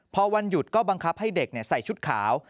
พอวันหยุดก็บังคับให้เด็กใส่ชุดขาว